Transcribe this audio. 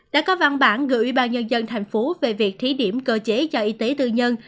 đã gửi ủy ban nhân dân tp hcm về việc thí điểm cơ chế cho y tế tư nhân